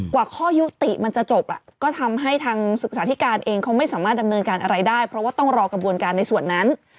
กว่าข้อยุติมันจะจบก็ทำให้ทางศึกษาธิการเองเขาไม่สามารถดำเนินการอะไรได้เพราะว่าต้องรอกระบวนการในส่วนนั้น